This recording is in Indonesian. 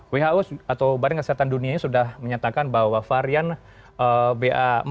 who atau badan kesehatan dunia ini sudah menyatakan bahwa varian ba empat